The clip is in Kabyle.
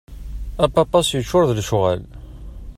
Apapas yeččur d lecɣal.